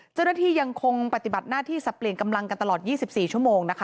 เจ้าหน้าที่ยังคงปฏิบัติหน้าที่สับเปลี่ยนกำลังกันตลอด๒๔ชั่วโมงนะคะ